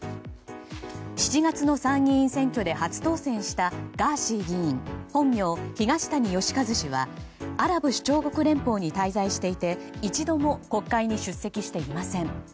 ７月の参議院選挙で初当選したガーシー議員本名・東谷義和氏はアラブ首長国連邦に滞在していて一度も国会に出席していません。